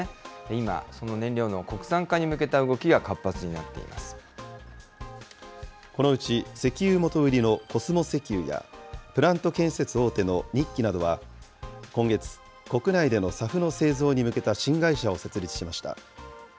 今、その燃料の国産化に向けた動このうち、石油元売りのコスモ石油や、プラント建設大手の日揮などは、今月、国内でのＳＡＦの製造に向けた新会社を設立しました。